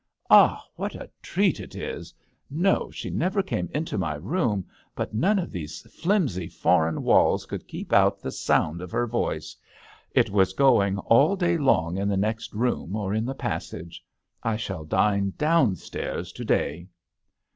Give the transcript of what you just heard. " Ah, what a treat it is 1 No, she never came into my room, but none of those flimsy foreign walls could keep out the sound of her voice : it was going all day long in the next room or in the passage. I shall dine down stairs to day."